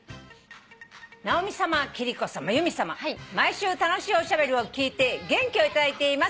「直美さま貴理子さま由美さま」「毎週楽しいおしゃべりを聞いて元気を頂いています」